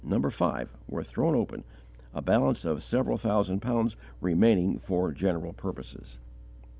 5, were thrown open, a balance of several thousand pounds remaining for general purposes.